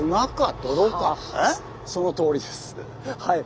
そのとおりですはい。